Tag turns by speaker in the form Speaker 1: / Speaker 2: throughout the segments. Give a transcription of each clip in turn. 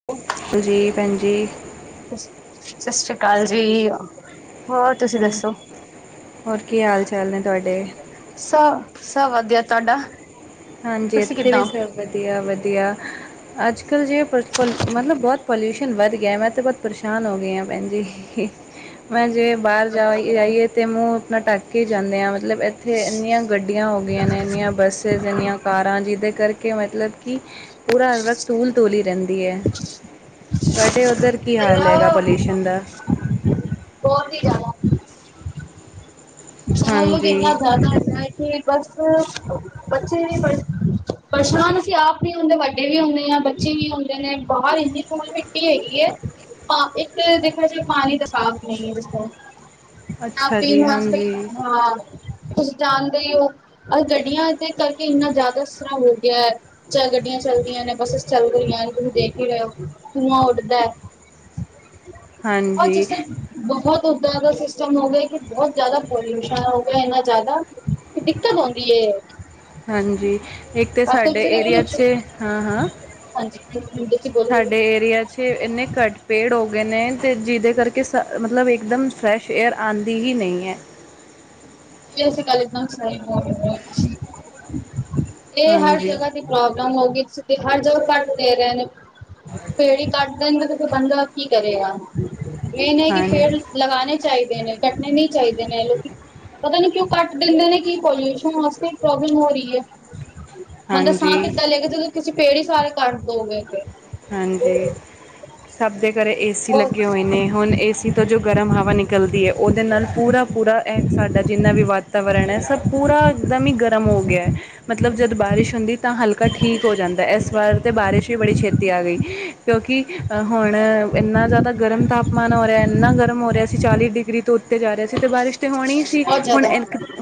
Speaker 1: [unintelligible] ਜੀ ਭੈਣਜੀ।
Speaker 2: ਸ ਸਤਿ ਸ੍ਰੀ ਕਾਲ ਜੀ ਆ।
Speaker 1: ਹੂੰ, ਹੋਰ ਕੀ ਹਾਲ ਚਾਲ ਨੇ ਤੁਹਾਡੇ।
Speaker 2: ਸਾ ਸਭ ਵਧੀਆ ਤੁਹਾਡਾ।
Speaker 1: ਹਾਂਜੀ
Speaker 2: ਤੁਸੀਂ
Speaker 1: ਇੱਥੇ ਵੀ
Speaker 2: ਕਿੱਦਾਂ
Speaker 1: ਸਭ
Speaker 2: ਹੋ?
Speaker 1: ਵਧੀਆ -ਵਧੀਆ ਅੱਜ ਕੱਲ ਜੇ ਪਰਪਲ ਮਤਲਬ ਬਹੁਤ ਪੋਲਿਊਸ਼ਨ ਵੱਧ ਗਿਆ ਮੈਂ ਤੇ ਬਹੁਤ ਪਰੇਸ਼ਾਨ ਹੋ ਗਈ ਆ ਭੈਣਜੀ। ਮੈਂ ਜਿਵੇਂ ਬਾਹਰ ਜਾ ਜਾਈਏ ਤੇ ਮੂੰਹ ਆਪਣਾ ਢੱਕ ਕੇ ਜਾਂਣੇ ਆ। ਮਲਬ ਐਥੇ ਇੰਨੀਆਂ ਗੱਡੀਆਂ ਹੋ ਗਈਆਂ ਨੇ, ਇੰਨੀਆਂ ਬੱਸਿਸ ਇੰਨੀਆਂ ਕਾਰਾਂ ਜੀਦੇ ਕਰਕੇ ਮਤਲਬ ਕਿ ਪੂਰਾ ਰਕ ਧੂਲ- ਧੂਲ ਈ ਰਹਿ ਦੀ ਏ, ਤੁਹਾਡੇ ਉੱਧਰ ਕੀ ਹਾਲ ਹੈਗਾ
Speaker 2: ਪੰਜਾਬ
Speaker 1: ਪੋਲਿਊਸ਼ਨ ਦਾ।
Speaker 2: ਬਹੁਤ ਈ ਜ਼ਿਆਦਾ। ਸਹੁੰ ਲੱਗੇ ਇੰਨਾ
Speaker 1: ਹਾਂਜੀ
Speaker 2: ਜ਼ਿਆਦਾ ਹੁੰਦਾ ਕਿ ਬਸ। ਬੱਚੇ ਵੀ ਪਰੇ ਪਰੇਸ਼ਨ ਅਸੀਂ ਆਪ ਵੀ ਹੁੰਦੇ ਵੱਡੇ ਵੀ ਹੁੰਨੇ ਆ, ਬੱਚੇ ਵੀ ਹੁੰਦੇ ਨੇ ਬਾਹਰ ਏਨੀ ਧੂਲ ਮਿੱਟੀ ਹੈਗੀ ਏ, ਹਾਂ ਇੱਕ ਦੇਖੋ ਜੀ ਪਾਣੀ ਤਾਂ ਸਾਫ਼ ਨੀਂ ਦਿਸਦਾ।
Speaker 1: ਅੱਛਾ
Speaker 2: ਆਪੀ
Speaker 1: ਜੀ
Speaker 2: ਨੂੰ
Speaker 1: ਹਾਂਜੀ
Speaker 2: [unintelligible] ਹਾਂ ਤੁਸੀ ਜਾਨਦੇ ਈ‌ ਓ। ਆ ਗੱਡੀਆਂ ਦੇ ਕਰਕੇ ਇੰਨਾ ਜਾਦਾ ਅਸਰ ਹੋ ਗਿਆ ਐ। ਚੱਲ ਗੱਡੀਆਂ ਚੱਲਦੀਆਂ ਨੇ ਬੱਸਿਸ ਚੱਲ ਰਈਆਂ ਨੇ ਤੁਸੀਂ ਦੇਖ ਈ ਰਏ ਓਂ ਧੂੰਆਂ ਉੱਡਦਾ। ਬੋਤ ਜੈਸੇ
Speaker 1: ਹਾਂਜੀ
Speaker 2: ਬਹੋਤ ਹੋਤਾ ਸਿਸਟਮ ਹੋ ਗਏ ਕੇ ਬੋਤ ਜਾਦਾ ਪੋਲਿਊਸ਼ਨ ਹੋ ਗੇਆ ਏਨਾ ਜਾਦਾ ਦਿੱਕਤ ਔਂਦੀ ਏ।
Speaker 1: ਹਾਂਜੀ ਇੱਕ ਤੇ ਸਾਡੇ ਏਰੀਆ ਚ ਹਾਂ-ਹਾਂ।
Speaker 2: ਇਕ ਹੁੰਦੇ ਚ ਗੋਲ-ਗੋਲ
Speaker 1: ਸਾਡੇ ਏਰੀਆ ਚ ਏਨੇ ਘੱਟ ਪੇੜ ਹੋ ਗਏ ਨੇ ਤੇ ਜਿਦੇ ਕਰਕੇ ਸ ਮਤਲਬ ਇੱਕਦਮ ਫਰੈਸ਼ ਏਅਰ ਆਂਦੀ ਹੀ ਨਈਂ ਐ।
Speaker 2: ਤੇ ਓਸੇ ਗੱਲ ਚ ਤਾਂ [unintelligible] ਏ ਹਰ
Speaker 1: ਹਾਂਜੀ,
Speaker 2: ਜਗਾ ਤੇ ਪ੍ਰੋਬਲਮ ਹੋ ਗਈ ਏਦੇ ਚ। ਤੇ ਹਰ ਜਗ੍ਹਾ ਕੱਟ ਦੇ ਰਏ ਨੇ, ਪੇੜ ਈ ਕੱਟ ਦੇਨਗੇ ਤੇ ਫਿਰ ਬੰਦਾ ਕੀ ਕਰੇਗਾ ਏ ਨਈਂ ਕੇ
Speaker 1: ਹਾਂ,
Speaker 2: ਪੇੜ ਲਗਾਨੇ ਚਾਈਦੇ ਨੇ ਕੱਟਨੇ ਨੀ ਚਾਈਦੇ ਨੇ ਲੋਕੀ ਪਤਾ ਨੀ ਕਿਉਂ ਕੱਟ ਦਿੰਦੇ ਨੇ ਕੀ ਪੋਲਿਊਸ਼ਨ ਵਾਸਤੇ ਪ੍ਰੋਬਲਮ ਹੋ ਰਈ ਐ। ਬੰਦਾ ਸਾਹ
Speaker 1: ਹਾਂਜੀ,
Speaker 2: ਕਿੱਦਾਂ ਲਏਗਾ, ਜਦੋਂ ਤੁਸੀਂ ਪੇੜ ਈ ਸਾਰੇ ਕੱਟ ਦਓਗੇ।
Speaker 1: ਹਾਂਜੀ, ਸਬ ਦੇ ਘਰੇ ਏਸੀ
Speaker 2: ਹੋਰ
Speaker 1: ਲੱਗੇ ਹੋਏ ਨੇ, ਹੁਨ ਏਸੀ ਤੋ ਜੋ ਗਰਮ ਹਵਾ ਨਿਕਲਦੀ ਐ, ਓਦੇ ਨਾਲ ਪੂਰਾ-ਪੂਰਾ ਐ ਸਾਡਾ ਜਿੰਨਾ ਵੀ ਵਾਤਾ ਵਾਤਾਵਰਨ ਐ ਸਭ ਪੂਰਾ ਇੱਕਦਮ ਈ ਗਰਮ ਹੋ ਗਿਆ ਐ, ਮਤਲਬ ਜਦ ਬਾਰਿਸ਼ ਹੁੰਦੀ ਐ ਤਾਂ ਹਲਕਾ ਠੀਕ ਹੋ ਜਾਂਦਾ ਐਸ ਵਾਰ ਤੇ ਬਾਰਿਸ਼ ਵੀ ਬੜੀ ਛੇ ਤੀ ਆ ਗਈ, ਕਿਓਂਕਿ ਅ ਹੁਨ ਏਨਾ ਜਾਦਾ ਗਰਮ ਤਾਪਮਾਨ ਹੋ ਰਿਆ ਏਨਾ ਗਰਮ ਹੋ ਰਿਆ ਸੀ, ਚਾਲੀ ਡਿ ਡਿਗਰੀ ਤੋਂ ਉੱਤੇ ਜਾ ਰਿਆ ਸੀ ਤੇ ਬਾਰਿਸ਼ ਤੇ ਹੋਨੀ ਈ ਸੀ
Speaker 2: ਬਹੁਤ
Speaker 1: ਹੁਨ,
Speaker 2: ਜ਼ਿਆਦਾ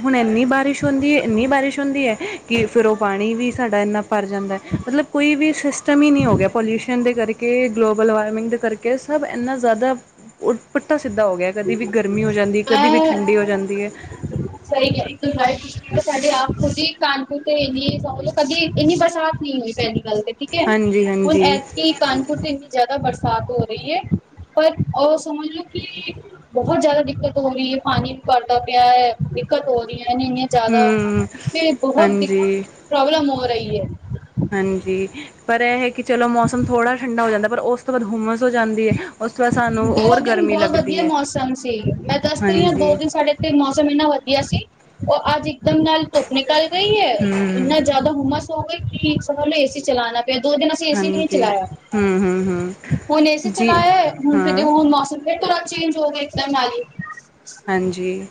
Speaker 1: ਹੁਨ ਐਨੀ ਬਾਰਿਸ਼ ਹੁੰਦੀ ਐ ਏਨੀ ਬਾਰਿਸ਼ ਹੁੰਦੀ ਐ ਕੇ ਫਿਰ ਓ ਪਾਨੀ ਵੀ ਸਾਡਾ ਐਨਾ ਭਰ ਜਾਂਦਾ। ਮਤਲਬ ਕੋਈ ਵੀ ਸਿਸਟਮ ਈ ਨੀ ਹੋ ਗੇਆ ਪੋਲਿਊਸ਼ਨ ਦੇ ਕਰਕੇ ਗਲੋਬਲ ਵਾਰਮਿੰਗ ਦੇ ਕਰਕੇ ਸਬ ਐਨਾ ਜਾਦਾ ਓ ਪੁੱਠਾ ਸਿੱਧਾ ਹੋ ਗੇਆ ਕਦੀ ਵੀ ਗਰਮੀ ਹੋ ਜਾਂਦੀ ਐ, ਕਦੀ ਵੀ ਠੰਡੀ ਹੋ ਜਾਂਦੀ ਐ।
Speaker 2: [inaudible] ਨਈ ਹੁੰਦੀ ਪੈਲੀ ਗੱਲ ਤੇ ਠੀਕ ਐ,
Speaker 1: ਹਾਂਜੀ
Speaker 2: ਹੁਨ
Speaker 1: ਹਾਂਜੀ
Speaker 2: ਐਤਕੀ ਕਾਨਪੁਰ ਤੇ ਇੰਨੀ ਜਾਦਾ ਬਰਸਾਤ ਹੋ ਰਈ ਐ, ਪਰ ਓ ਸਮਝ ਲਓ ਕੀ ਬਹੋਤ ਜ਼ਿਆਦਾ ਦਿੱਕਤ ਹੋ ਰਈ ਐ, ਪਾਨੀ ਵੀ ਭਰਦਾ ਪਿਆ ਐ, ਦਿੱਕਤ ਹੋ ਰਈ ਐ ਇੰਨੀ ਜਾਦਾ,
Speaker 1: ਹਮ
Speaker 2: ਫਿਰ ਬਹੋਤ ਦਿਕ
Speaker 1: ਹਾਂਜੀ
Speaker 2: ਪ੍ਰੋਬਲਮ ਹੋ ਰਈ ਐ।
Speaker 1: ਹਾਂਜੀ, ਪਰ ਐ ਹੈ ਕੇ ਚਲੋ ਮੌਸਮ ਥੋੜ੍ਹਾ ਠੰਡਾ ਹੋ ਜਾਂਦਾ ਪਰ ਓਸ ਉਸ ਤੋ ਬਾਦ ਹੁੰਮਸ ਹੋ ਜਾਂਦੀ ਐ।
Speaker 2: ਦੋ ਦਿਨ ਬਹੁ ਵਦੀਆ ਮੌਸਮ ਸੀ ਮੈਂ ਦੱਸਦੀ ਆਂ ਦੋ
Speaker 1: ਹਾਂਜੀ
Speaker 2: ਦਿਨ ਸਾਡੇ ਤੇ ਮੋਸਮ ਏਨਾ ਵਦੀਆ ਸੀ, ਓ ਅੱਜ ਇਕਦਮ ਨਾਲ ਧੁੱਪ ਨਿਕਲ ਗਈ ਐ
Speaker 1: ਹੂੰ
Speaker 2: ਇੰਨਾ ਜਾ ਜਾਦਾ ਹੁੰਮਸ ਹੋ ਗਈ ਸੀ, ਸੁਬਾਅ ਮੈਂ ਏਸੀ ਚਲਾਨਾ ਤੇ ਦੋ ਦਿਨ ਅਸੀਂ ਏਸੀ ਵੀ ਨਈ
Speaker 1: ਹਾਂਜੀ
Speaker 2: ਚਲਾਏਆ,
Speaker 1: ਹੂੰ ਹੂੰ ਹੂੰ
Speaker 2: ਹੁਨ ਏਸੀ
Speaker 1: ਜੀ
Speaker 2: ਚਲਾਏਆ ਏ ਹੁਨ ਫੇਰ ਜੇ
Speaker 1: ਹਾਂ
Speaker 2: ਹੁਨ ਮੋਸਮ ਫਿਰ ਦੁਬਾਰਾ ਚੇਂਜ ਹੋ ਗਏ ਇਕਦਮ ਮਨਾਲੀ।
Speaker 1: ਹਾਂਜੀ,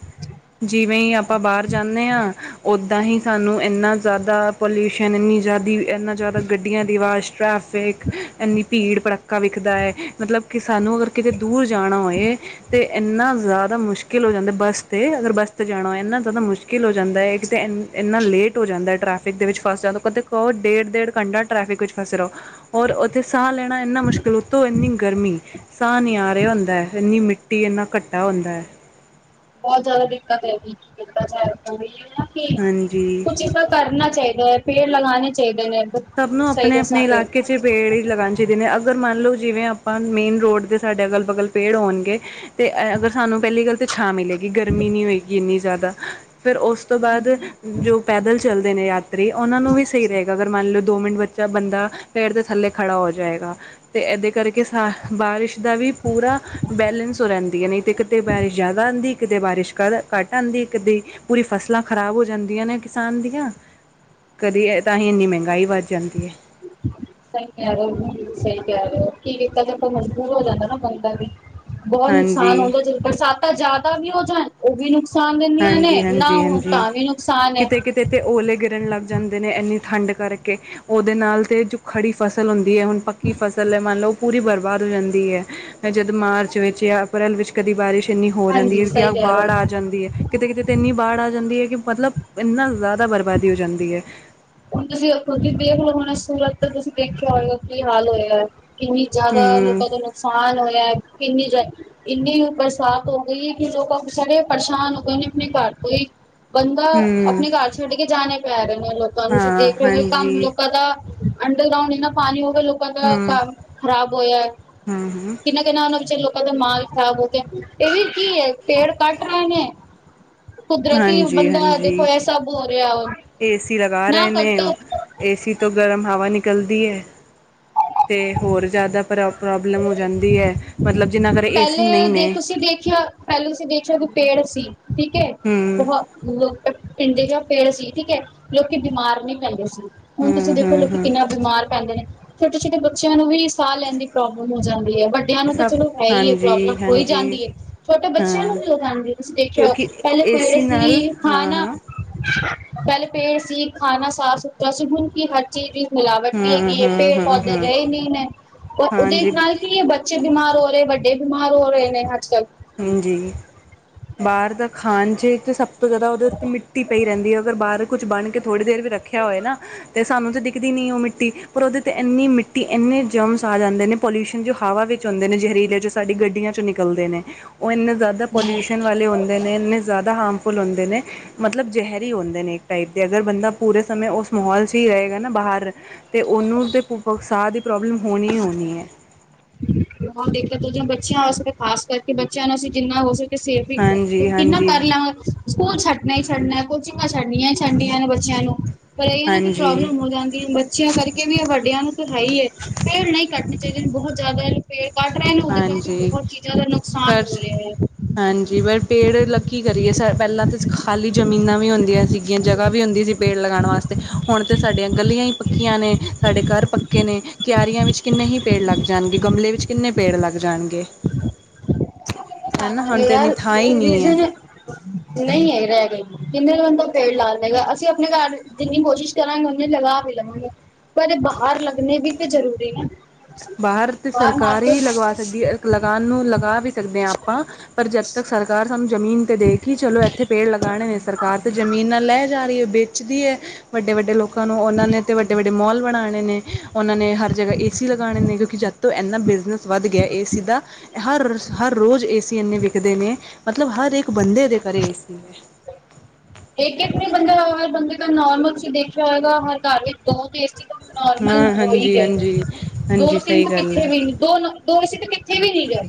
Speaker 1: ਜਿਵੇਂ ਈ ਆਪਾਂ ਬਾਰ ਜਾਂਨੇ ਆਂ ਓਦਾਂ ਹੀ ਸਾਨੂੰ ਏਨਾ ਜਾਦਾ ਪੋਲਿਊਸ਼ਨ ਏਨੀ ਜਾਦੀ ਐਨਾ ਜਾਦਾ ਗੱਡੀਆਂ ਦੀ ਆਵਾਜ਼, ਟ੍ਰੈਫਿਕ ਇੰਨੀ ਭੀੜ ਭੜੱਕਾ ਵਿੱਖਦਾ ਐ। ਮਤਲਬ ਕੀ ਸਾਨੂੰ ਅਗਰ ਕਿਤੇ ਦੂਰ ਜਾਨਾ ਹੋਏ, ਤੇ ਏਨਾ ਜਾਦਾ ਮੁਸ਼ਕ ਮੁਸ਼ਕਿਲ ਹੋ ਜਾਂਦਾ ਬੱਸ ਤੇ ਅਗਰ ਬੱਸ ਤੇ ਜਾਨਾ ਹੋਏ ਏਨਾ ਜਾਦਾ ਮੁਸ਼ਕਿਲ ਹੋ ਜਾਂਦਾ ਏ ਇਕ ਤੇ ਇ ਏਨਾ ਲੇਟ ਹੋ ਜਾਂਦਾ ਟਰੈ ਫਿਕ ਦੇ ਵਿੱਚ ਫਸ ਜਾਨ ਕਦੇ ਕਓ ਡੇਢ-ਡੇਢ ਘੰਟਾ ਟ੍ਰੈਫਿਕ ਵਿੱਚ ਫਸੇ ਰਓ। ਔਰ ਓਥੇ ਸਾਅ ਲੈਨਾ ਏਨਾ ਮੁਸ਼ਕਿਲ ਉਤੋਂ ਏਨੀ ਗਰਮੀ, ਸਾਂਅ ਨੀ ਆ ਰਿਆ ਹੁੰਦਾ ਏਨੀ ਮਿੱ ਟੀ ਏਨਾ ਘੱਟਾ ਹੁੰਦਾ ਐ।
Speaker 2: ਬਹੁਤ ਜ਼ਿਆਦਾ ਦਿੱਕਤ ਹੈਗੀ ਕਿਤੇ ਜਾ ਰਹੀਏ ਨਾ ਕਿ
Speaker 1: ਹਾਂਜੀ
Speaker 2: ਕੁਝ ਚੀਜ਼ਾਂ ਕਰਨਾ ਚਾਹੀਦਾ ਐ। ਪੇੜ ਲਗਾਣੇ ਚਾਹੀਦੇ ਨੇ।
Speaker 1: ਸਭ ਨੂੰ
Speaker 2: ਸਹੀ
Speaker 1: ਆਪਣੇ -ਆਪਣੇ
Speaker 2: ਦੱਸਾਂ ਤੇ
Speaker 1: ਇਲਾਕੇ 'ਚ ਫਿਰ ਪੇੜ ਈ ਲਗਾਣੇ ਚਾਹੀਦੇ ਨੇ। ਅਗਰ ਮੰਨ ਲਓ, ਜਿਵੇਂ ਆਪਾਂ ਮੇਨ ਰੋਡ ਦੇ ਸਾਡੇ ਅਗਲ- ਬਗਲ ਪੇੜ ਹੋਣਗੇ ਤੇ ਅ ਅਗਰ ਸਾਨੂੰ ਪਹਿਲੀ ਗੱਲ ਤੇ ਛਾਂ ਮਿਲੇਗੀ। ਗਰਮੀ ਨਹੀਂ ਹੋਏਗੀ ਇੰਨੀ ਜ਼ਿਆਦਾ, ਫਿਰ ਉਸ ਤੋਂ ਬਾਅਦ ਜੋ ਪੈਦਲ ਚੱਲਦੇ ਨੇ ਯਾਤਰੀ ਉਹਨਾਂ ਨੂੰ ਵੀ ਸਹੀ ਰਹੇਗਾ। ਅਗਰ ਮੰਨ ਲਓ ਦੋ ਮਿੰਟ ਬੱਚਾ, ਬੰਦਾ ਪੇੜ ਦੇ ਥੱਲੇ ਖੜਾ ਹੋ ਜਾਏਗਾ। ਅਤੇ ਇਹਦੇ ਕਰਕੇ ਸਾ ਬਾਰਿਸ਼ ਦਾ ਵੀ ਪੂਰਾ ਬੈਲੇੈਂਸ ਹੋ ਰਹਿੰਦੀ ਐ ਨਈ ਤੇ ਕਿਤੇ ਬਾਰਿਸ਼ ਜ਼ਿਆਦਾ ਆਂਦੀ ਕਿਤੇ ਬਾਰਿਸ਼ ਕਰ ਘੱਟ ਆਂਦੀ ਕਦੇ ਪੂਰੀ ਫਸਲਾਂ ਖ਼ਰਾਬ ਹੋ ਜਾਂਦੀਆਂ ਨੇ ਕਿਸਾਨ ਦੀਆਂ, ਕਦੇ ਤਾਂ ਹੀ ਇੰਨੀ ਮਹਿੰਗਾਈ ਵੱਧ ਜਾਂਦੀ ਐ।
Speaker 2: [unintelligible] ਸਹੀ ਕਹਿ ਰਹੇ ਓ, ਸਹੀ ਕਹਿ ਰਹੇ ਓ ਕੀ ਕੀਤਾ ਜਾਏ ਮਜਬੂਰ ਹੋ ਜਾਦਾ ਫਿਰ ਬੰਦਾ ਵੀ। ਬਹੁਤ ਨੁਕਸਾਨ
Speaker 1: ਹਾਂਜੀ,
Speaker 2: ਹੁੰਦਾ ਜਦੋਂ ਬਰਸਾਤਾਂ ਜ਼ਿਆਦਾ ਵੀ ਹੋ ਜਾਣ ਉਹ ਵੀ ਨੁਕਸ ਨੁਕਸਾਨ ਦਿੰਦੀਆਂ ਨੇ
Speaker 1: ਹਾਂਜੀ,
Speaker 2: ਨਾ
Speaker 1: ਹਾਂਜੀ,
Speaker 2: ਹੋਣ
Speaker 1: ਹਾਂਜੀ।
Speaker 2: ਤਾਂ ਵੀ ਨੁਕਸਾਨ ਐਂ।
Speaker 1: ਕਿਤੇ-ਕਿਤੇ ਤੇ ਓਲੇ ਗਿਰਨ ਲੱਗ ਜਾਂਦੇ ਨੇ ਇੰਨੀ ਠੰਡ ਕਰਕੇ ਉਹਦੇ ਨਾਲ ਤੇ ਜੋ ਖੜੀ ਫਸਲ ਹੁੰਦੀ ਐ, ਹੁਣ ਪੱਕੀ ਫਸਲ ਐ ਮੰਨ ਲਓ ਪੂਰੀ ਬਰਬਾਦ ਹੋ ਜਾਂਦੀ ਐ। ਫਿਰ ਜਦ ਮਾਰਚ ਵਿੱਚ ਜਾਂ ਅਪ੍ਰੈਲ ਵਿੱਚ ਕਦੀ ਬਾਰਿਸ਼ ਇੰਨੀ ਹੋ ਜਾਂਦੀ
Speaker 2: ਹਾਂਜੀ
Speaker 1: ਐ ਕਿ
Speaker 2: ਸਹੀ ਕਹਿ ਰਹੇ ਹੋ
Speaker 1: ਬਾੜ ਆ ਜਾਂਦੀ ਐ। ਕਿਤੇ -ਕਿਤੇ ਤੇ ਇੰਨੀ ਬਾੜ ਆ ਜਾਂਦੀ ਐ ਕਿ ਮਤਲਬ ਇੰਨਾ ਜ਼ਿਆਦਾ ਬਰਬਾਦੀ ਹੋ ਜਾਂਦੀ ਐ।
Speaker 2: ਹੁਣ ਤੁਸੀਂ ਅੱਖਾਂ ਤੋਂ ਈ ਦੇਖ ਲੋ ਹੁਣਾ ਸੂਰਤ ਤੇ ਤੁਸੀਂ ਦੇਖਿਆ ਹੋਏਗਾ ਕੀ ਹਾਲ ਹੋਇਆ ਏ। ਕਿੰਨੀ ਜ਼ਿਆਦਾ
Speaker 1: ਹੂੰ,
Speaker 2: ਲੋਕਾਂ ਦਾ ਨੁਕਸਾਨ ਹੋਇਆ ਐ, ਕਿੰਨੀ ਜਾ ਇੰਨੀ ਬਰਸਾਤ ਹੋ ਗਈ ਕਿ ਜੋ ਕੰਮ ਛੜੇ ਪਰੇਸ਼ਾਨ ਗਏਨੇ ਆਪਣੇ ਘਰ ਤੋਂ ਈ ਬੰਦਾ
Speaker 1: ਹੂੰ,
Speaker 2: ਆਪਣੇ ਘਰ ਛੱਡ ਕੇ ਜਾਣੇ ਪੈ ਗਏ ਨੇ ਲੋਕਾਂ ਨੂੰ
Speaker 1: ਹਾਂ,
Speaker 2: ਦੇਖ ਰਹੇ ਹੋ,
Speaker 1: ਹਾਂਜੀ,
Speaker 2: ਕੰਮ ਲੋਕਾਂ ਦਾ ਅੰਡਰਗਰਾਉਂਡ ਇੰਨਾ ਪਾਣੀ ਹੋਗਿਆ, ਲੋਕਾਂ ਦਾ
Speaker 1: ਹੂੰ,
Speaker 2: ਕੰਮ ਖਰਾਬ ਹੋਇਆ
Speaker 1: ਹੂੰ, ਹੂੰ।
Speaker 2: ਕਿਨਾ [unintelligible] ਉਹਨਾਂ ਵਿਚ ਲੋਕਾਂ ਦੇ ਮਾਲ ਖ਼ਰਾਬ ਹੋ ਗਿਆ ਇਹ ਵੀ ਕੀ ਐ, ਪੇੜ ਕੱਟ ਰਹੇ ਨੇ- ਕੁਦਰਤੀ
Speaker 1: ਹਾਂਜੀ,
Speaker 2: ਬੰਦਾ ਦੇਖੋ
Speaker 1: ਹਾਂਜੀ।
Speaker 2: ਇਹ ਸਭ ਹੋ ਰਿਹਾ ਵ
Speaker 1: ਏਸੀ ਲਗਾ ਰਹੇ ਨੇ ਉਹ ਏਸੀ ਤੋਂ ਗਰਮ ਹਵਾ ਨਿਕਲਦੀ ਏ- ਤੇ ਹੋਰ ਜਿਆਦਾ ਪ੍ਰ ਪ੍ਰੋਬਲਮ ਹੋ ਜਾਂਦੀ ਐ।
Speaker 2: ਪਹਿਲੇ ਦੇ ਤੁਸੀਂ ਦੇਖਿਆ, ਪਹਿਲੇ ਤੁਸੀਂ ਦੇਖਿਆ ਕਿ ਪੇੜ ਸੀ ਠੀਕ ਐ
Speaker 1: ਹਮ
Speaker 2: ਬਹੁਤ ਲੋਟ ਪਿੰਡੇ ਚ ਪੇੜ ਸੀ ਠੀਕ ਐ ਲੋਕੀ ਬਿਮਾਰ ਨਹੀਂ ਪੈਂਦੇ ਸੀ। ਹੁਣ ਤੁਸੀਂ
Speaker 1: ਹਮ
Speaker 2: ਦੇਖੋ
Speaker 1: ਹਮ
Speaker 2: ਲੋਕ
Speaker 1: ਹਮ
Speaker 2: ਕਿੰਨਾ ਬਿਮਾਰ ਪੈਂਦੇ ਨੇ ਛੋਟੇ -ਛੋਟੇ ਬੱਚਿਆਂ ਨੂੰ ਵੀ ਸਾਹ ਲੈਣ ਦੀ ਪ੍ਰੋਬਲਮ ਹੋ ਜਾਂਦੀ ਐ, ਵੱਡਿਆਂ ਨੂੰ ਤਾਂ
Speaker 1: ਸਭ
Speaker 2: ਚਲੋ ਇਹੀ ਏ
Speaker 1: ਹਾਂਜੀ
Speaker 2: ਪ੍ਰੋਬਲਮ ਹੋਈ
Speaker 1: ਹਾਂਜੀ
Speaker 2: ਜਾਂਦੀ ਐ, ਛੋਟੇ ਬੱਚਿਆਂ ਨੂੰ
Speaker 1: ਹਾਂ
Speaker 2: ਵੀ ਹੋ ਜਾਂਦੀ ਹੈ ਤੁਸੀਂ ਦੇਖਿਆ
Speaker 1: ਕਿਉਂਕਿ
Speaker 2: ਪਹਿਲੇ ਪੇੜ
Speaker 1: ਏਸੀ ਨਾਲ
Speaker 2: ਸੀ
Speaker 1: ਹਾਂ
Speaker 2: ਖਾਣਾ
Speaker 1: ਹਾਂ
Speaker 2: ਪਹਿਲੇ ਪੇੜ ਸੀ ਖਾਣਾ ਸਾਫ਼ ਸੁਥਰਾ ਸੀ ਹੁਣ ਕੀ ਹਰ ਚੀਜ਼ ਦੀ ਮਿਲਾਵਟ ਵੀ
Speaker 1: ਹਮ
Speaker 2: ਹੈਗੀ ਐ,
Speaker 1: ਹਮ
Speaker 2: ਪੇੜ-
Speaker 1: ਹਮ
Speaker 2: ਪੌਦੇ
Speaker 1: ਹਮ
Speaker 2: ਰਹੇ ਨਹੀਂ ਨੇ ਉਹਦੇ
Speaker 1: ਹਾਂਜੀ
Speaker 2: ਨਾਲ ਕੀ ਏ ਬੱਚੇ ਬਿਮਾਰ ਹੋ ਰਹੇ। ਵੱਡੇ ਬਿਮਾਰ ਹੋ ਰਏ ਨੇ ਅੱਜਕਲ
Speaker 1: ਹਾਂਜੀ, ਬਾਹਰ ਦਾ ਖਾਣ 'ਚ ਏ ਤੇ ਸਭ ਉਹਦੇ ਉਤੇ ਮਿੱਟੀ ਪਈ ਰਹਦੀ ਐ, ਅਗਰ ਬਾਹਰ ਕੁੱਝ ਬਣ ਕੇ ਥੋੜੀ ਦੇਰ ਵੀ ਰੱਖਿਆ ਹੋਏ ਨਾ ਤੇ ਸਾਨੂੰ ਤਾਂ ਦਿਖਦੀ ਨਹੀਂ ਉਹ ਮਿੱਟੀ, ਪਰ ਉਹਦੇ 'ਤੇ ਇੰਨੀ ਮਿੱਟੀ ਇੰਨੇ ਜਮਸ ਆ ਜਾਂਦੇ ਨੇ ਪੋਲਿਊਸ਼ਨ ਜੋ ਹਵਾ ਵਿੱਚ ਆਉਂਦੇ ਨੇ ਜ਼ਹਿਰੀਲ ਚ ਸਾਡੀ ਗੱਡੀਆਂ ਚੋਂ ਨਿਕਲਦੇ ਨੇ ਉਹ ਇੰਨੇ ਜ਼ਿਆਦਾ ਪੋਲਿਊਸ਼ਨ ਵਾਲੇ ਹੁੰਦੇ ਨੇ ਇੰਨੇ ਜ਼ਿਆਦਾ ਹਾਰਮਫੁੱਲ ਹੁੰਦੇ ਨੇ ਮਤਲਬ ਜ਼ਹਿਰੀ ਹੁੰਦੇ ਨੇ ਇੱਕ ਟਾਈਪ ਦੇ ਅਗਰ ਬੰਦਾ ਪੂਰੇ ਸਮੇ ਉਸ ਮਾਹੌਲ 'ਚ ਈ ਰਹੇਗਾ ਨਾ ਬਾਹਰ- ਤੇ ਉਹਨੂੰ ਤਾਂ ਸਾਹ ਦੀ ਪ੍ਰੋਬਲਮ ਹੋਣੀ -ਹੋਣੀ ਐ।
Speaker 2: ਬਹੁਤ ਦਿੱਕਤ ਹੁੰਦੀਆਂ ਬੱਚਿਆਂ ਵਾਸਤੇ ਖਾਸ ਕਰਕੇ ਬੱਚਿਆਂ ਨੂੰ ਅਸੀਂ ਜਿੰਨਾ ਹੋ 'ਤੇ ਸੇਫ ਵੀ
Speaker 1: ਹਾਂਜੀ
Speaker 2: ਕਿੰਨਾ
Speaker 1: ਹਾਂਜੀ
Speaker 2: ਕਰ ਲਵਾਂ? ਸਕੂਲ ਛੱਡਨਾ ਈ ਛੱਡਨੈ, ਕੋਚਿੰਗਾਂ ਛੱਡਨੀਆਂ ਈ ਛੱਡਨੀਐ ਬੱਚਿਆਂ ਨੂੰ। ਪਰ ਏਅ ਐ ਨਾ ਕਿ
Speaker 1: ਹਾਂਜੀ
Speaker 2: ਪ੍ਰੋਬਲਮ ਹੋ ਜਾਂਦੀ ਬਟ ਬਚਿਆਂ ਕਰਕੇ ਵੀ ਵੱਡਿਆਂ ਨੂੰ ਤਾਂ ਹੈ ਈ ਏ। ਪੇੜ ਨਈ ਕੱਟਨੇ ਚਾਈਦੇ, ਬੋਤ ਜਾਦਾ ਪੇੜ ਕੱਟ ਰੇ ਨੇ, ਉਦੇ ਕਰਕੇ
Speaker 1: ਹਾਂਜੀ
Speaker 2: ਬੋਤ ਚੀਜ਼ਾਂ ਦਾ ਨੁਕਸਾਨ
Speaker 1: ਫਰਜ਼
Speaker 2: ਹੋ ਰੇਆ ਏ।
Speaker 1: ਹਾਂਜੀ, ਪਰ ਪੇੜ ਲਾ ਕੀ ਕਰੀਏ? ਸਾ ਪੈਲਾ ਤਾਂ ਖਾਲੀ ਜ਼ਮੀਨਾਂ ਵੀ ਹੁੰਦੀਆਂ ਸੀਗੀਆਂ, ਜਗ੍ਹਾ ਵੀ ਹੁੰਦੀ ਸੀ। ਪੇੜ ਲਗਾਨ ਵਾਸਤੇ ਹੁਨ 'ਤੇ ਸਾਡੀਆਂ ਗਲੀਆਂ ਈ ਪੱਕੀਆਂ ਨੇ, ਸਾਡੇ ਘਰ ਪੱਕੇ ਨੇ, ਕਿਆਰੀਆਂ ਵਿੱਚ ਕਿੰਨੇ ਹੀ ਪੇੜ ਲੱਗ ਜਾਨਗੇ, ਗਮਲੇ ਵਿੱਚ ਕਿੰਨੇ ਪੇੜ ਲੱਗ ਜਾਨਗੇ?
Speaker 2: ਹਦ ਏ ਯਾਰ, ਇਹ ਰੀਜ਼ਨ ਨਈ ਹੈ ਰੈਅ ਗਏ, ਕਿੰਨੇ ਕੁ ਬੰਦਾ ਪੇੜ ਲਾ ਲਏਗਾ? ਅਸੀਂ ਅਪਨੇ ਘਰ ਜਿੰਨੀ ਕੋਸ਼ਿਸ਼ ਚਰਨ ਮਦਿੰਰ ਲਗਾ ਵੀ ਲਵਾਂਗੇ, ਪਰ ਏਅ ਬਾਹਰ ਲੱਗਨੇ ਵੀ ਤੇ ਜ਼ਰੂਰੀ ਨੇ।
Speaker 1: ਬਾਹਰ 'ਤੇ ਸਰਕਾਰ ਈ ਲਗਵਾ ਦਿੰਦੀ ਏ। ਲਗਾਨ ਨੂੰ ਲਗਾ ਵੀ ਸਕਦੇ ਆ ਆਪਾਂ, ਪਰ ਜਦ ਤੱਕ ਸਰਕਾਰ ਸਮ ਜ਼ਮੀਨ ਤੇ ਦੇਖ ਈ ਚਲੋ, ਐੱਥੇ ਪੇੜ ਲਗਾਨੇ ਨੇ ਸਰਕਾਰ 'ਤੇ ਜ਼ਮੀਨ ਨਾਲ ਲੈ। ਯਾਰ ਏ ਬੇਚਦੀ ਐ, ਵੱਡੇ-ਵੱਡੇ ਲੋਕਾਂ ਨੂੰ, ਉਨਾਂ ਨੇ ਤੇ ਵੱਡੇ-ਵੱਡੇ ਮੋਲ ਬਨਾਨੇ ਨੇ। ਉਨਾਂ ਨੇ ਹਰ ਜਗ੍ਹਾ ਏ, ਸੀ, ਲਗਾਨੇ ਨੇ, ਕਿਉਂਕਿ ਜਦ ਤੋਂ ਐੰਨਾ ਬਿਜ਼ਨਸ ਵੱਧ ਗਿਆ ਏ, ਸੀ, ਦਾ, ਹਰ-ਹਰ ਰੋਜ਼ ਏ, ਸੀ, ਇੰਨੇ ਵਿਕਦੇ ਨੇ, ਮਤਲਬ ਹਰ ਇੱਕ ਇੱਕ ਬੰਦੇ ਦੇ ਘਰੇ ਏ, ਸੀ, ਏ।
Speaker 2: ਇੱਕ-ਇੱਕ ਬੰਦਾ, ਹਰ ਬੰਦੇ ਦਾ ਨੋਰਮਲ 'ਚ ਦੇਖਿਆ ਹੋਏਗਾ, ਹਰ ਘਰ ਵਿੱਚ ਦੋ ਤੇ ਏ, ਸੀ,। ਨੋਰਮਲ
Speaker 1: ਹਾਂ
Speaker 2: ਹੋ ਈ
Speaker 1: ਹਾਂਜੀ
Speaker 2: ਗਏ ਨੇ,
Speaker 1: ਹਾਂਜੀ
Speaker 2: ਦੋ-
Speaker 1: ਹਾਂਜੀ
Speaker 2: ਤਿੰਨ
Speaker 1: ਸਹੀ
Speaker 2: ਤੋਂ
Speaker 1: ਗੱਲ
Speaker 2: ਪਿੱਛੇ
Speaker 1: ਹੈ
Speaker 2: ਵੀ ਨੀ। ਦੋਨੋ, ਦੋ ਏ, ਸੀ, 'ਤੇ ਕਿੱਥੇ ਵੀ ਨੀ ਗਏ?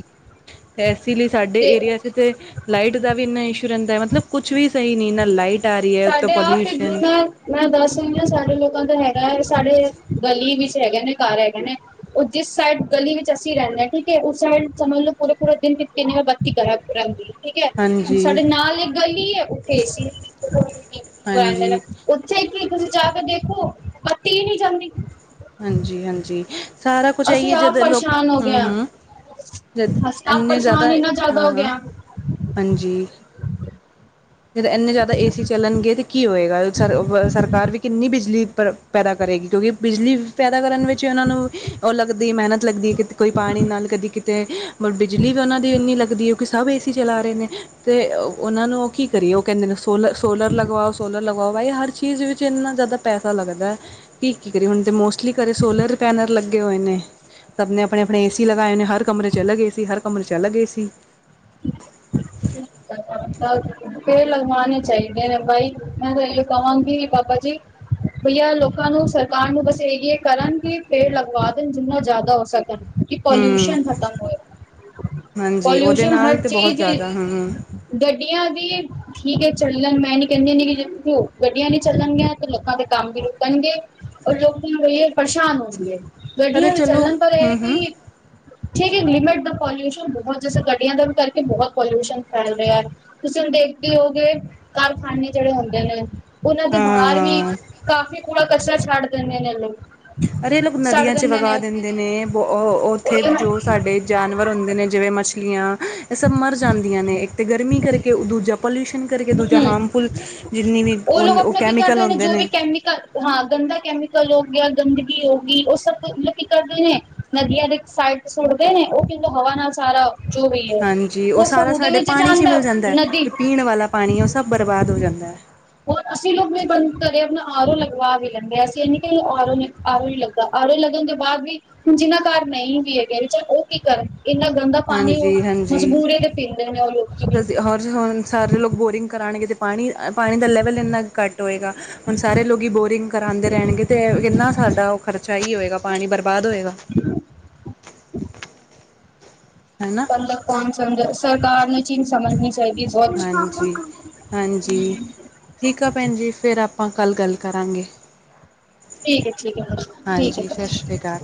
Speaker 1: ਐਸੇ ਲਈ ਸਾਡੇ
Speaker 2: ਤੇ
Speaker 1: ਏਰੀਏ 'ਚ ਤੇ ਲਾਈਟ ਦਾ ਵੀ ਇੰਨਾ ਇਸ਼ੂ ਰੈਂਦੈ, ਮਤਲਬ ਕੁਛ ਵੀ ਸਹੀ ਨਈ, ਨਾ ਲਾਈਟ ਆ ਰਹੀ ਹੈ ਉੱਤੋਂ
Speaker 2: ਸਾਡੇ ਆਪ,
Speaker 1: ਪੋਲਿਊਸ਼ਨ
Speaker 2: ਜਿੰਨਾ ਮੈਂ ਦੱਸ ਰੀ ਆ, ਸਾਡੇ ਲੋਕਾਂ ਦਾ ਹੈਗਾ ਐ। ਸਾਡੇ ਗਲੀ ਵਿੱਚ ਹੈਗੇ ਨੇ, ਘਰ ਹੈਗੇ ਨੇ। ਉਹ ਜਿਸ ਸਾਈਡ ਗਲੀ ਵਿੱਚ ਅਸੀਂ ਰਹਿੰਨੇ ਆ, ਕਿਉਕਿ ਉਸ ਸਾਈਡ ਮਤਬਲ ਪੂਰੇ -ਪੂਰੇ ਦਿਨ ਕਿਤੇਨ ਬੱਤੀ ਘਰਾ 'ਚ ਰੈਂਦੀ। ਠੀਕ ਐ,
Speaker 1: ਹਾਂਜੀ
Speaker 2: ਸਾਡੇ ਨਾਲ ਇੱਕ ਗਲੀ ਏ, ਉੱਥੇ ਏ, ਸੀ, ਵਡੰ ਲੈ।
Speaker 1: ਹਾਂਜੀ
Speaker 2: ਓੱਥੇ ਕੀ ਤੁਸੀਂ ਜਾ ਕੇ ਦੇਖੋ, ਬੱਤੀ ਨੀ ਜਾਂਦੀ?
Speaker 1: ਹਾਂਜੀ-ਹਾਂਜੀ ਸਾਰਾ ਕੁਛ ਐ ਈ
Speaker 2: ਅਸੀਂ
Speaker 1: ਏ, ਜਦ
Speaker 2: ਆਪ
Speaker 1: ਲੋਕ
Speaker 2: ਪਰੇਸ਼ਾਨ ਹੋ ਗਏ ਹਾਂ
Speaker 1: ਹੂੰ-ਹੂੰ। ਜਦ,
Speaker 2: ਅਸੀਂ ਆਪ
Speaker 1: ਐੰਨੇ ਜਾਦਾ
Speaker 2: ਪਰੇਸ਼ਾਨ ਇੰਨਾ
Speaker 1: ਹਾਂ-
Speaker 2: ਜ਼ਿਆਦਾ ਹੋ ਗਏ
Speaker 1: ਹਾਂ, ਹਾਂਜੀ। ਜਦ ਐੰਨੇ ਜ਼ਿਆਦਾ ਏ, ਸੀ, ਚੱਲਨਗੇ 'ਤੇ ਕੀ ਹੋਏਗਾ? ਸਰਕਾਰ-ਸਰਕਾਰ ਨੇ ਕਿੰਨੀ ਬਿਜਲੀ ਪਰ ਪੈਦਾ ਕਰੇਗੀ, ਕਿਉਂਕਿ ਬਿਜਲੀ ਪੈਦਾ ਕਰਨ ਵਿੱਚ ਉਨਾਂ ਨੂੰ, ਓ ਲੱਗਦੀ ਮਿਹਨਤ ਲੱਗਦੀ ਏ ਕਿ ਕੋਈ ਪਾਨੀ ਨਾਲ ਕਦੀ ਕਿਤੇ ਬ ਬਿਜਲੀ ਵੀ ਉਨਾਂ ਦੀ ਇੰਨੀ ਲੱਗਦੀ ਏ, ਕਿਉਂਕਿ ਸਭ ਏ, ਸੀ, ਚਲਾ ਰੇ ਨੇ, 'ਤੇ ਉਨਾਂ ਨੂੰ ਉਹ ਕੀ ਕਦੀ ਉਹ ਕੈਂਦੇ ਨੇ ਸੋਲ -ਸੋਲਰ ਲਗਵਾਓ, ਸੋਲਰ ਲਗਾਵਾਓ। ਬਾਈ, ਹਰ ਚੀਜ਼ ਵਿੱਚ ਇੰਨਾ ਜਾਦਾ ਪੈਸਾ ਲੱਗਦੈ। ਕੀ- ਕੀ ਕਰੀਏ ਹੁਨ? 'ਤੇ ਮੋਸਟਲੀ ਘਰੇ ਸੋਲਰ ਪੈਨਲ ਲੱਗੇ ਹੋਏ ਨੇ। ਸਭ ਨੇ ਅਪਨੇ-ਅਪਨੇ ਏ, ਸੀ, ਲਗਾਏ ਨੇ, ਹਰ ਕਮਰੇ 'ਚ ਅਲੱਗ ਏ, ਸੀ, ਹਰ ਕਮਰੇ 'ਚ ਅਲੱਗ ਏ, ਸੀ,।
Speaker 2: ਫੇਰ ਲਗਵਾਨੇ ਚਾਈਦੇ ਨੇ ਭਾਈ, ਮੈਂ ਤਾਂ ਏਅ ਕਵਾਂਗੀ, ਬਾਬਾ ਜੀ। ਭਈਆ, ਲੋਕਾਂ ਨੂੰ ਸਰਕਾਰ ਨੂੰ ਬਸ ਯੇ ਕਰਨ ਕਿ ਪੇੜ ਲਗਵਾ ਦੇਨ, ਜਿੰਨਾ ਜਾਦਾ ਹੋ ਸਕਨ। ਕੀ
Speaker 1: ਹੂੰ
Speaker 2: ਪੋਲਊਸ਼ਨ ਖਤਮ ਹੋਏਗਾ?
Speaker 1: ਹਾਂਜੀ, ਓਦੇ ਨਾਲ ਤੇ ਬੋਤ ਜਾਦਾ ਹੂੰ।
Speaker 2: ਗੱਡੀਆਂ ਦੀ ਠੀਕ ਏ ਚੱਲਨ, ਮੈਂ ਨੀ ਕੈਂਦੀ ਹੁੰਦੀ ਕਿ ਜੇ ਹੋਰ ਗੱਡੀਆਂ ਨੀ ਚੱਲਨਗੀਆਂ ਤੇ ਲੋਕਾਂ ਦੇ ਕੰਮ ਵੀ ਰੁਕਨਗੇ। ਲੋਕੀ ਭਈਆ ਪਰੇਸ਼ਾਨ ਹੋ ਗਏ ਨ, ਗੱਡੀਆਂ ਦੇ ਚੱਲਨ, ਪਰ ਇਹ ਕਿ ਠੀਕ ਏ, ਲਿਮਿਟ ਦਾ ਪੋਲਿਊਸ਼ਨ, ਬੋਤ ਜੈਸੇ ਗੱਡੀਆਂ ਦਾ ਵੀ ਕਰਕੇ ਬੋਤ ਪੋਲਿਊਸ਼ਨ ਚੱਲ ਰਿਐ ਤੁਸੀਂ ਹੁਣ ਦੇਖਦੇ ਹੋਗੇ ਕਾਰਖਾਨੇ ਜਿਹੜੇ ਹੁੰਦੇ ਨੇ ਉਹਨਾਂ ਦੇ ਬਾਹਰ ਵੀ
Speaker 1: ਹਾਂ
Speaker 2: ਕਾਫੀ ਕੂੜਾ ਕਚਰਾ ਛੱਡ ਦੇਂਦੇ ਨੇ ਲੋਕ।
Speaker 1: ਅਰੇ ਲੋਕ ਨਦੀਆਂ ਚ ਵਗਾ ਦਿੰਦੇ ਨੇ ਬੋ ਉੱਥੇ
Speaker 2: ਹਮ
Speaker 1: ਜੋ ਤਾਡੇ ਜਾਨਵਰ ਹੁੰਦੇ ਨੇ ਜਿਵੇਂ ਮੱਛਲੀਆਂ ਇਹ ਸਭ ਮਰ ਜਾਂਦੀਆਂ ਨੇ ਇੱਕ ਤੇ ਗਰਮੀ ਕਰਕੇ ਦੂਜਾ ਪੋਲਿਯੂਸ਼ਨ ਕਰਕੇ ਦੂਜਾ ਹਾਰਮਫੁੱਲ ਜਿੰਨੀ ਵੀ
Speaker 2: ਲੋਕ
Speaker 1: ਉਹ ਉਹ
Speaker 2: ਆਪਣਾ ਕੀ
Speaker 1: ਕੈਮੀਕਲ
Speaker 2: ਕਰਦੇ
Speaker 1: ਹੁੰਦੇ
Speaker 2: ਜੋ ਵੀ
Speaker 1: ਨੇ
Speaker 2: ਕੈਮੀਕਲ ਹਾਂ ਗੰਦਾ ਕੈਮੀਕਲ ਹੋ ਗਿਆ, ਗੰਦਗੀ ਹੋ ਗਈ, ਉਹ ਸਭ ਮਤਲਬ ਕੀ ਕਰਦੇ ਨੇ ਨਦੀਆਂ ਦੇ ਇੱਕ ਸਾਈਡ ਸੁੱਟਦੇ ਨੇ ਉਹ ਕਿਨ ਹਵਾ ਨਾਲ ਸਾਰਾ ਜੋ ਵੀ ਹੈ
Speaker 1: ਹਾਂਜੀ ਉਹ
Speaker 2: ਸਭ
Speaker 1: ਸਾਰਾ
Speaker 2: ਉਹਦੇ
Speaker 1: ਸਾਡੇ
Speaker 2: ਵਿੱਚ
Speaker 1: ਪਾਣੀ ਇਚੀ
Speaker 2: ਜਾਂਦਾ
Speaker 1: ਮਿਲ ਜਾਂਦੈ,
Speaker 2: ਨਦੀ
Speaker 1: ਪੀਣ ਵਾਲਾ ਪਾਣੀ ਉਹ ਸਭ ਬਰਬਾਦ ਹੋ ਜਾਂਦੈ।
Speaker 2: ਹੋਰ ਅਸੀਂ ਲੋਕ ਵੀ ਬੰਦ ਕਰੇ ਅਪਣਾ ਆਰੋ ਲਗਵਾ ਵੀ ਲੈਂਦੇ ਆਂ ਅਸੀਂ ਇਹ ਨੀ ਕ ਆਰੋ ਆਰੋ ਲ ਆਰੋ ਲੱਗਣ ਤੋਂ ਬਾਅਦ ਵੀ ਹੁਣ ਜਿਨਾ ਘਰ ਨਈ ਵੀ ਹੈਗੇ ਚਲ ਉਹ ਕੀ ਕਰਨ? ਇੰਨਾ ਗੰਦਾ ਪਾਣੀ ਓ
Speaker 1: ਜੀ [unintelligible] ਹੁਣ ਸਾਰੇ ਲੋਕ ਬੋਰਿੰਗ ਕਰਾਣਗੇ ਤੇ ਪਾਣੀ, ਪਾਣੀ ਦਾ ਲੈਵਲ ਇੰਨਾ ਘੱਟ ਹੋਏਗਾ ਹੁਣ ਸਾਰੇ ਲੋਕੀ ਬੋਰਿੰਗ ਕਰਾਂਦੇ ਰਹਿਣਗੇ ਇਹ ਇੰਨਾ ਸਾਡਾ‌ ਖ਼ਰਚਾ ਈ ਹੋਏਗਾ ਪਾਣੀ ਬਰਬਾਦ ਹੋਏਗਾ।
Speaker 2: [inaudible]
Speaker 1: ਹੈਨਾ
Speaker 2: ਮਤਲਬ ਕੌਣ ਸਮਝੇ, ਸਰਕਾਰ ਨੂੰ ਇਹ ਚੀਜ਼ ਸਮਝਨੀ ਚਾਹੀਦੀ [inaudible]
Speaker 1: ਹਾਂਜੀ ਹਾਂਜੀ ਠੀਕ ਆ ਭੈਣ ਜੀ, ਫਿਰ ਆਪਾਂ ਕੱਲ੍ਹ ਗੱਲ ਕਰਾਂਗੇ।
Speaker 2: ਠੀਕ ਐ ਠੀਕ ਐ ਫਿਰ ਠੀਕ
Speaker 1: ਹਾਂਜੀ
Speaker 2: ਹੈ
Speaker 1: ਸਤਿ ਸ਼੍ਰੀ
Speaker 2: ਫਿਰ
Speaker 1: ਅਕਾਲ।